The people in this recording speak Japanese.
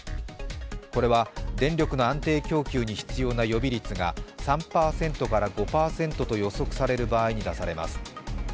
これは電力の安定供給に必要な予備率が３％とから５％と予測される場合に出されます。